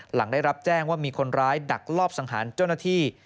หลังได้รับแจ้งว่ามีคนร้ายดักลอบสังหารเจ้าหน้าที่